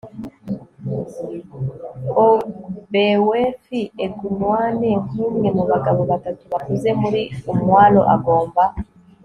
ogbuefi egonwanne, nk'umwe mu bagabo batatu bakuze muri umuaro, agomba